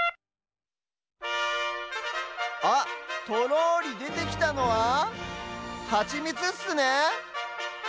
あっとろりでてきたのはハチミツっすね。